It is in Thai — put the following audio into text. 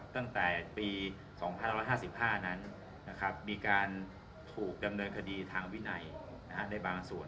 ตั้งแต่ปี๒๕๕๕นั้นมีการถูกดำเนินคดีทางวินัยในบางส่วน